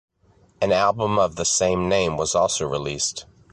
An album of the same name was also released.